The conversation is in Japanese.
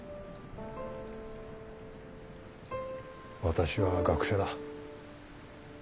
私は学者だ。